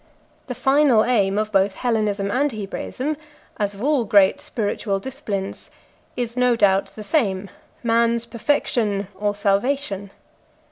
The final aim of both Hellenism and Hebraism, as of all great spiritual disciplines, is no doubt the same: man's perfection or salvation.